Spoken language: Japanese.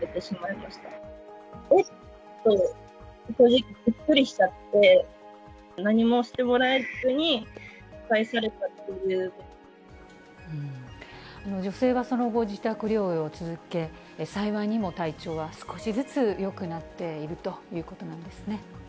と、正直びっくりしちゃって、何もしてもらえずに、女性はその後、自宅療養を続け、幸いにも体調は少しずつよくなっているということなんですね。